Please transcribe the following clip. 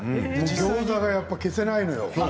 ギョーザがやっぱり消せないのよ。